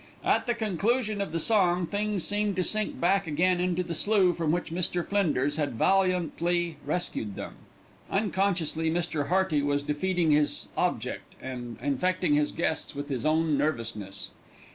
At the conclusion of the song things seemed to sink back again into the slough from which Mr. Flinders had valiantly rescued them. Unconsciously Mr. Hearty was defeating his object and infecting his guests with his own nervousness.